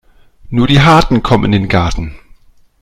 Nur die Harten kommen in den Garten.